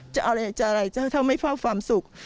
จะอะไรจะทำให้ไม่เฝ้าความสุข